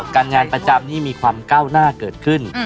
การงานประจำนี่มีความก้าวหน้าเกิดขึ้น